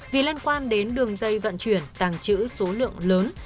vì liên quan đến đường dây vận chuyển tàng trữ số lượng lớn